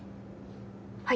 はい。